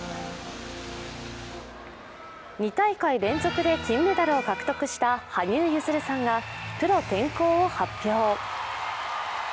２大会連続で金メダルを獲得した羽生結弦さんがプロ転向を発表。